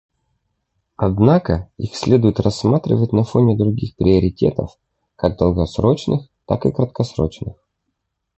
Однако их следует рассматривать на фоне других приоритетов, как долгосрочных, так и краткосрочных.